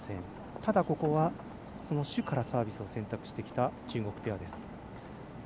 ただ、ここは朱からサービスを選択してきた中国ペアです。